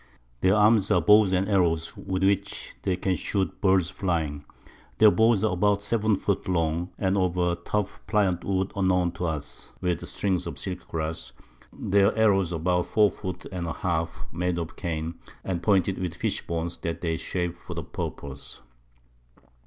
Their Arms are Bows and Arrows, with which they can shoot Birds flying. Their Bows are about 7 Foot long, and of a tough pliant Wood unknown to us, with Strings of Silk Grass; their Arrows about 4 Foot and a half, made of Cane, and pointed with Fish Bones that they shape for the purpose.